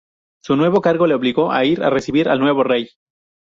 Su nuevo cargo le obligó a ir a recibir al nuevo rey.